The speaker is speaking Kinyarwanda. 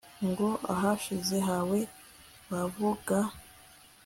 ngo ahashize hawe wavuga